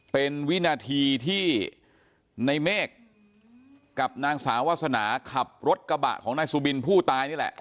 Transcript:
เป็นวินาทีที่ในเมฆกับนางสาววาสนาขับรถกระบะของนายสุบินผู้ตายนี่แหละ